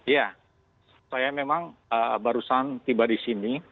ya saya memang barusan tiba di sini